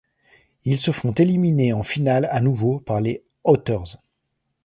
Ils se font éliminés en finale à nouveau par les Otters.